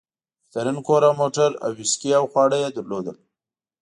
بهترین کور او موټر او ویسکي او خواړه یې لرل.